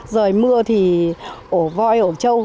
rời mưa thì ổ vội ổ trâu